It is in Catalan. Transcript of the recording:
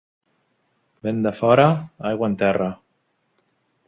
Vent de fora, aigua en terra.